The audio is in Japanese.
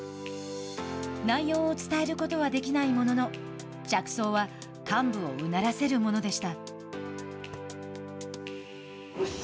内容を伝えることはできないものの着想は幹部をうならせるものでした。